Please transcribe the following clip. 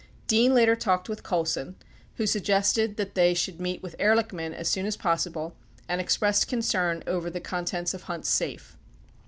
Dean later talked with Colson who suggested that they should meet with Ehrlichman as soon as possible and expressed concern over the con tents of Hunt's safe.